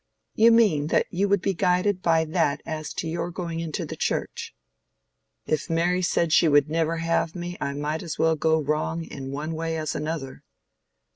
"You mean that you would be guided by that as to your going into the Church?" "If Mary said she would never have me I might as well go wrong in one way as another."